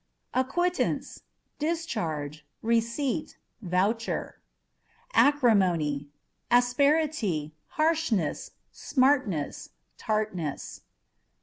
Acquittance â€" discharge, receipt, voucher. Acrimony â€" asperity, harshness, smartness, tartness.